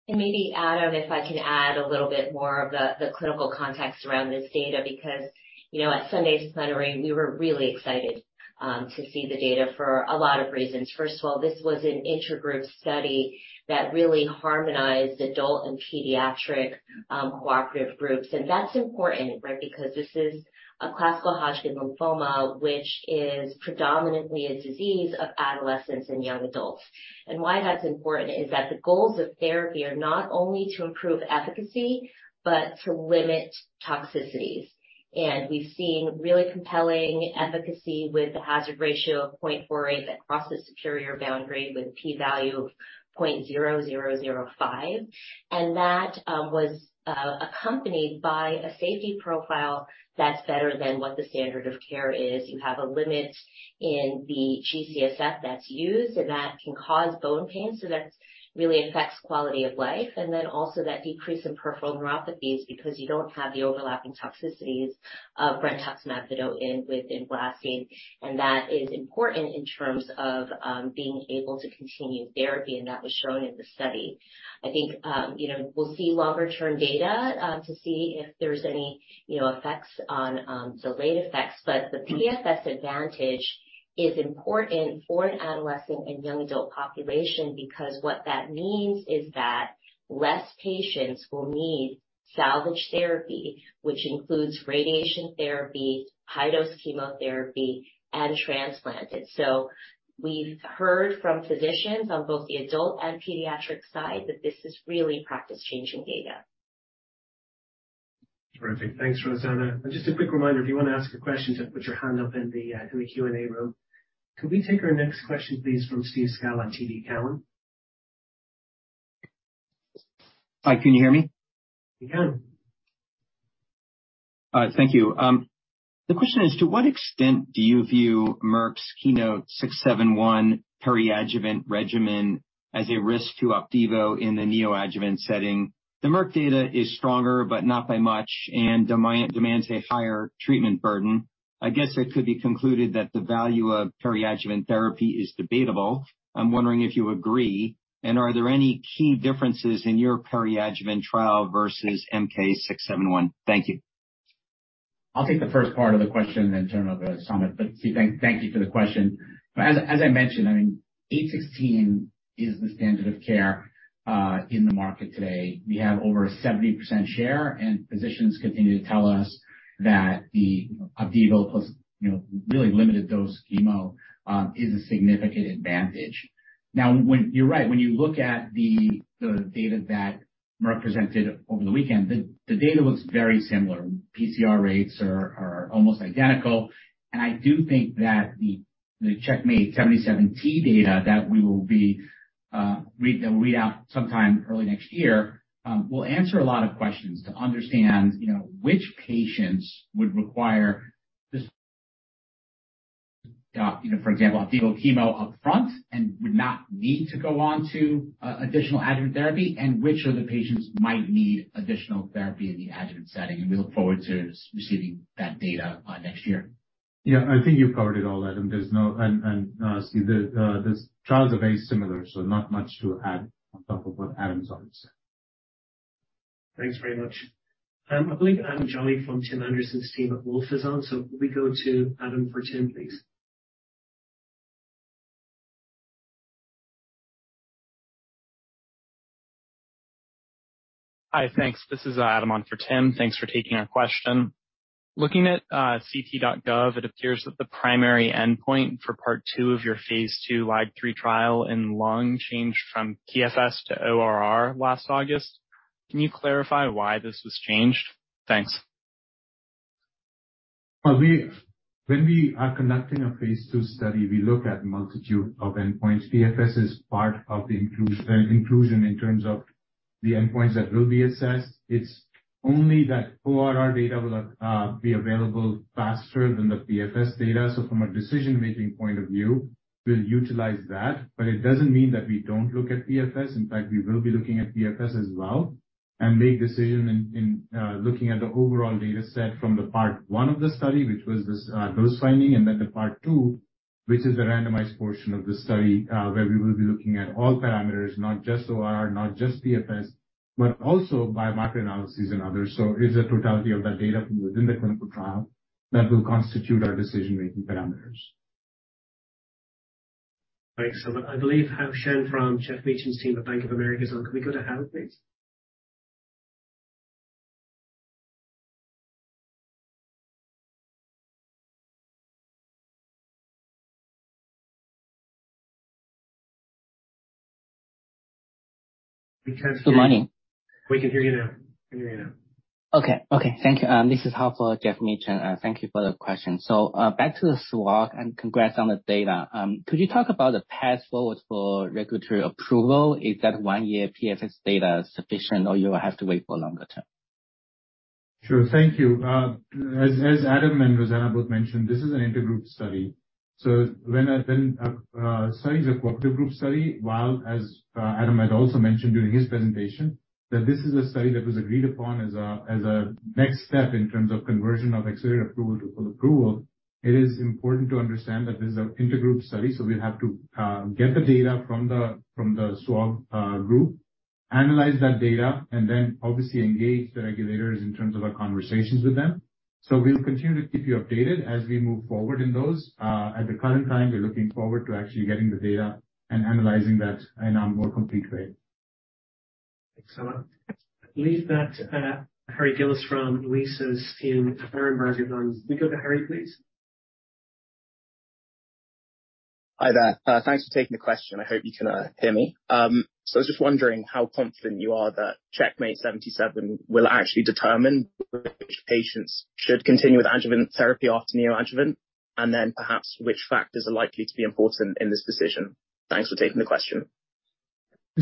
Maybe, Adam, if I can add a little bit more of the clinical context around this data, because, you know, at Sunday's plenary, we were really excited to see the data for a lot of reasons. First of all, this was an intergroup study that really harmonized adult and pediatric cooperative groups. That's important, right? Because this is a classical Hodgkin's lymphoma, which is predominantly a disease of adolescents and young adults. Why that's important is that the goals of therapy are not only to improve efficacy but to limit toxicities. We've seen really compelling efficacy with the hazard ratio of 0.48 that crossed the superior boundary with p-value of 0.0005. That was accompanied by a safety profile that's better than what the standard of care is. You have a limit in the G-CSF that's used. That can cause bone pain. That really affects quality of life. Also that decrease in peripheral neuropathies, because you don't have the overlapping toxicities of brentuximab vedotin within blasting. That is important in terms of being able to continue therapy. That was shown in the study. I think, you know, we'll see longer-term data to see if there's any, you know, effects on delayed effects. The PFS advantage is important for an adolescent and young adult population because what that means is that less patients will need salvage therapy, which includes radiation therapy, high-dose chemotherapy, and transplant. We've heard from physicians on both the adult and pediatric side that this is really practice-changing data. Perfect. Thanks, Rosanna. Just a quick reminder, if you want to ask a question, just put your hand up in the in the Q&A room. Could we take our next question, please, from Steve Scala on TD Cowen? Hi, can you hear me? We can. Thank you. The question is, to what extent do you view Merck's KEYNOTE-671 peri-adjuvant regimen as a risk to Opdivo in the neoadjuvant setting? The Merck data is stronger, but not by much, and demands a higher treatment burden. I guess it could be concluded that the value of peri-adjuvant therapy is debatable. I'm wondering if you agree, are there any key differences in your peri-adjuvant trial versus KEYNOTE-671? Thank you. I'll take the first part of the question, then turn over to Samit. Steve, thank you for the question. As I mentioned, I mean, CheckMate -816 is the standard of care in the market today. We have over 70% share, physicians continue to tell us that the Opdivo plus Yervoy really limited dose chemo is a significant advantage. You're right, when you look at the data that represented over the weekend, the data looks very similar. PCR rates are almost identical. I do think that the CheckMate -77T data that we will read out sometime early next year will answer a lot of questions to understand, you know, which patients would require this, you know, for example, Opdivo chemo up front and would not need to go on to additional adjuvant therapy, and which of the patients might need additional therapy in the adjuvant setting. We look forward to receiving that data next year. Yeah, I think you've covered it all, Adam. There's no, Steve, the trials are very similar, not much to add on top of what Adam's already said. Thanks very much. I believe, Adam Jolly from Tim Anderson's team at Wolfe is on, could we go to Adam for Tim, please? Hi, thanks. This is Adam on for Tim. Thanks for taking our question. Looking at ClinicalTrials.gov, it appears that the primary endpoint for part two of your phase II, trial in lung changed from PFS to ORR last August. Can you clarify why this was changed? Thanks. Well, when we are conducting a phase II study, we look at a multitude of endpoints. PFS is part of the inclusion in terms of the endpoints that will be assessed. It's only that ORR data will be available faster than the PFS data. From a decision-making point of view, we'll utilize that. It doesn't mean that we don't look at PFS. In fact, we will be looking at PFS as well and make decisions in looking at the overall data set from the part one of the study, which was this dose finding, and then the part two, which is the randomized portion of the study, where we will be looking at all parameters, not just ORR, not just PFS, but also biomarker analyses and others. It's the totality of that data from within the clinical trial that will constitute our decision-making parameters. Thanks so much. I believe Hao Shen from Geoff Meacham's team at Bank of America is on. Can we go to Hao, please? Good morning. We can hear you now. I can hear you now. Okay. Okay, thank you. This is Hao on for Geoff Meacham, thank you for the question. Back to the SWOG and congrats on the data. Could you talk about the path forward for regulatory approval? Is that one-year PFS data sufficient, or you will have to wait for longer term? Sure. Thank you. As Adam and Rosanna both mentioned, this is an intergroup study. When a study is a cooperative group study, while as Adam had also mentioned during his presentation, that this is a study that was agreed upon as a next step in terms of conversion of accelerated approval to full approval. It is important to understand that this is an intergroup study. We'll have to get the data from the SWOG group, analyze that data, and then obviously engage the regulators in terms of our conversations with them. We'll continue to keep you updated as we move forward in those. At the current time, we're looking forward to actually getting the data and analyzing that in a more complete way. Excellent. I believe that, Harry Gillis from Luisa's team, with Berenberg. Can we go to Harry, please? Hi there. Thanks for taking the question. I hope you can hear me. I was just wondering how confident you are that CheckMate -77T will actually determine which patients should continue with adjuvant therapy after neoadjuvant, and then perhaps which factors are likely to be important in this decision. Thanks for taking the question.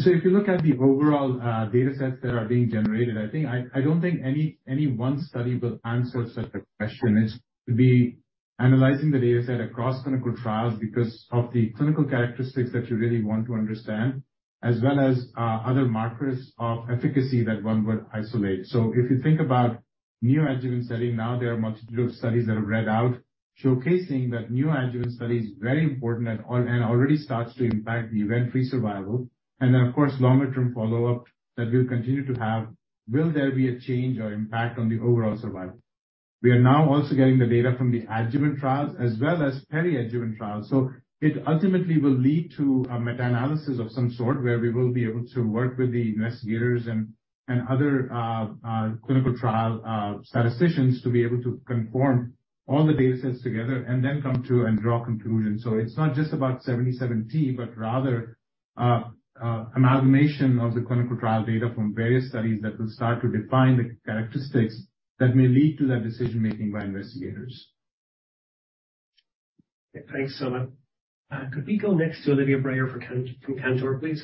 If you look at the overall data sets that are being generated, I don't think any one study will answer such a question. It's to be analyzing the data set across clinical trials because of the clinical characteristics that you really want to understand, as well as other markers of efficacy that one would isolate. If you think about neoadjuvant study, now there are a multitude of studies that have read out, showcasing that new adjuvant study is very important and already starts to impact the event-free survival. Of course, longer-term follow-up that we'll continue to have. Will there be a change or impact on the overall survival? We are now also getting the data from the adjuvant trials as well as periadjuvant trials. It ultimately will lead to a meta-analysis of some sort, where we will be able to work with the investigators and other clinical trial statisticians, to be able to conform all the data sets together and then come to and draw conclusions. It's not just about 77T, but rather a amalgamation of the clinical trial data from various studies that will start to define the characteristics that may lead to that decision-making by investigators. Thanks, Samit. Could we go next to Olivia Brayer from Cantor Fitzgerald, please?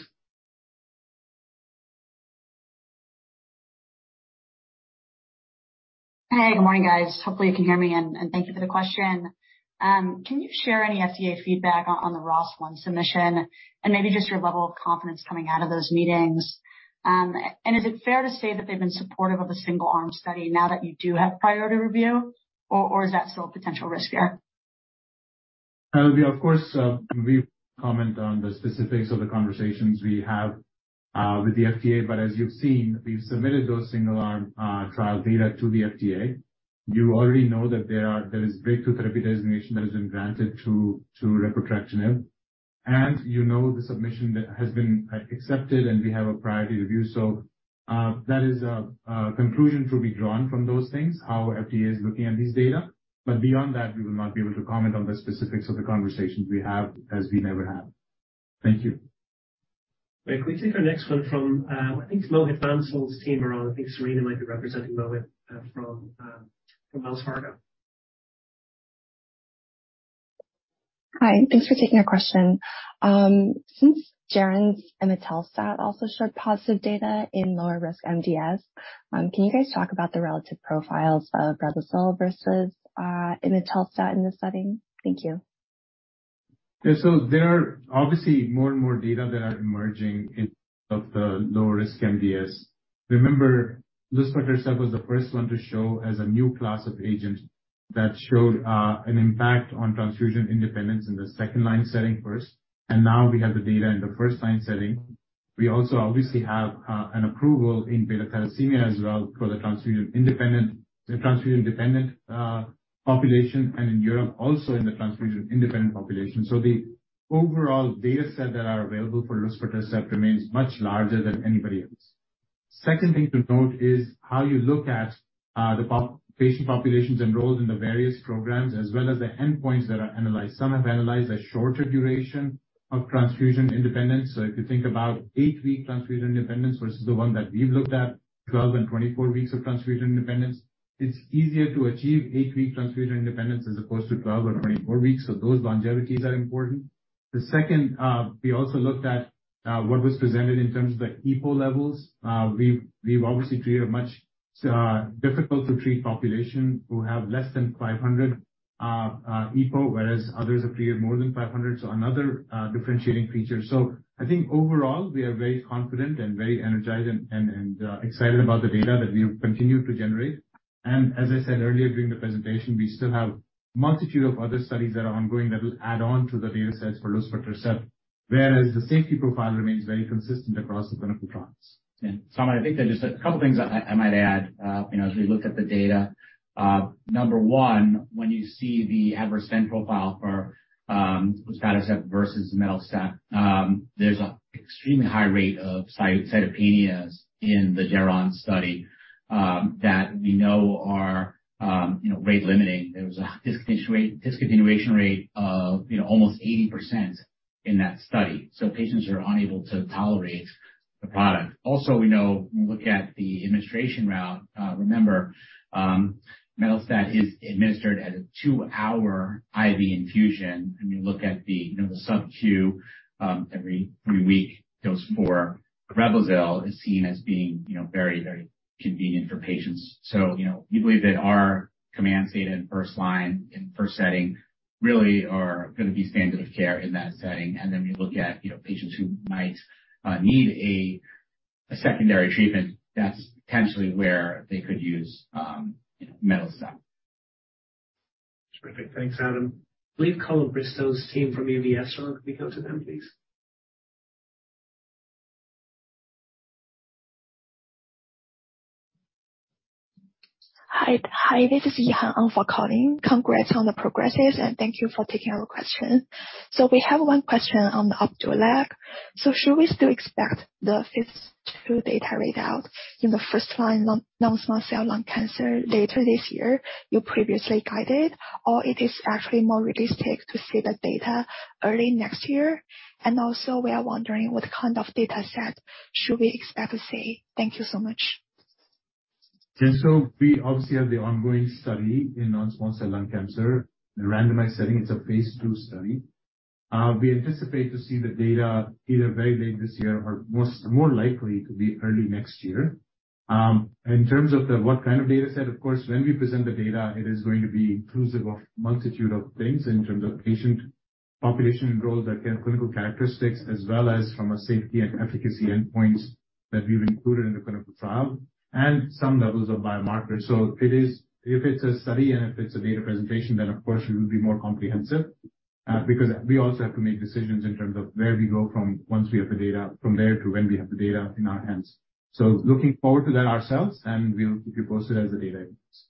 Hey, good morning, guys. Hopefully, you can hear me, and thank you for the question. Can you share any FDA feedback on the ROS1 submission and maybe just your level of confidence coming out of those meetings? Is it fair to say that they've been supportive of a single-arm study now that you do have priority review, or is that still a potential risk here? We of course, we comment on the specifics of the conversations we have with the FDA. As you've seen, we've submitted those single-arm trial data to the FDA. You already know that there is breakthrough therapy designation that has been granted to repotrectinib. You know, the submission that has been accepted, and we have a priority review. That is a conclusion to be drawn from those things, how FDA is looking at this data. Beyond that, we will not be able to comment on the specifics of the conversations we have, as we never have. Thank you. Great. Can we take our next one from, I think Mohit Bansal's team are on. I think Cerena might be representing Mohit, from Wells Fargo. Hi, thanks for taking our question. Since Geron's and imetelstat also showed positive data in lower risk MDS, can you guys talk about the relative profiles of Reblozyl versus imetelstat in this setting? Thank you. Yeah. There are obviously more and more data that are emerging in of the lower-risk MDS. Remember, luspatercept was the first one to show as a new class of agent that showed an impact on transfusion independence in the second-line setting first, and now we have the data in the first-line setting. We also obviously have an approval in beta thalassemia as well for the transfusion-independent, the transfusion-dependent population, and in Europe, also in the transfusion-independent population. Overall data set that are available for luspatercept remains much larger than anybody else. Second thing to note is how you look at patient populations enrolled in the various programs as well as the endpoints that are analyzed. Some have analyzed a shorter duration of transfusion independence. If you think about eight-week transfusion independence versus the one that we've looked at, 12 and 24 weeks of transfusion independence, it's easier to achieve eight-week transfusion independence as opposed to 12 or 24 weeks. Those longevities are important. The second, we also looked at what was presented in terms of the EPO levels. We've obviously treated a much difficult to treat population who have less than 500 EPO, whereas others have treated more than 500, another differentiating feature. I think overall, we are very confident and very energized and excited about the data that we've continued to generate. As I said earlier during the presentation, we still have multitude of other studies that are ongoing that will add on to the data sets for Luspatercept, whereas the safety profile remains very consistent across the clinical trials. Yeah. So I think there are just a couple things I might add. You know, as we look at the data, number one, when you see the adverse event profile for luspatercept versus imetelstat, there's a extremely high rate of cytopenias in the Geron study that we know are, you know, rate limiting. There was a discontinuation rate of, you know, almost 80% in that study. So patients are unable to tolerate the product. Also, we know when we look at the administration route, remember, imetelstat is administered as a two-hour IV infusion. We look at the, you know, the sub Q, every three-week dose for Reblozyl is seen as being, you know, very, very convenient for patients. You know, we believe that our COMMANDS and first line and first setting really are gonna be standard of care in that setting. We look at, you know, patients who might need a secondary treatment, that's potentially where they could use imetelstat. Terrific. Thanks, Adam. We have Colin Bristow's team from UBS, can we go to them, please? Hi, this is [Yihan Ang] for Colin. Congrats on the progresses, and thank you for taking our question. We have one question on the Opdualag. Should we still expect the phase II data read out in the first-line lung non-small cell lung cancer later this year, you previously guided, or it is actually more realistic to see the data early next year? Also, we are wondering what kind of data set should we expect to see. Thank you so much. We obviously have the ongoing study in non-small cell lung cancer. The randomized setting, it's a phase II study. We anticipate to see the data either very late this year or most, more likely to be early next year. In terms of the what kind of data set, of course, when we present the data, it is going to be inclusive of multitude of things in terms of patient population roles that have clinical characteristics as well as from a safety and efficacy endpoints that we've included in the clinical trial and some levels of biomarkers. If it's a study and if it's a data presentation, of course it will be more comprehensive, because we also have to make decisions in terms of where we go from once we have the data to when we have the data in our hands. Looking forward to that ourselves, and we'll keep you posted as the data comes.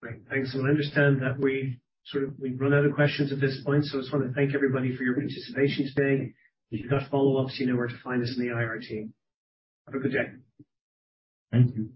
Great. Thanks. I understand that we sort of, we've run out of questions at this point. I just wanna thank everybody for your participation today. If you've got follow-ups, you know where to find us in the IR team. Have a good day. Thank you.